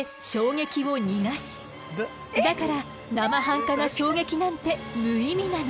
だからなまはんかな衝撃なんて無意味なの。